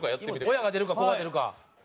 親が出るか子が出るか。